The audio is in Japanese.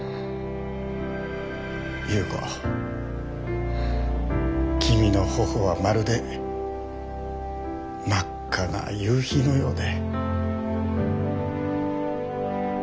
夕子きみの頬はまるで真っ赤な夕日のようで。